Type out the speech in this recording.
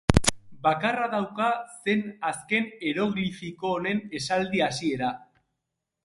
Bakarra dauka zen azken eroglifiko honen esaldi hasiera.